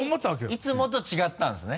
いつもと違ったんですね？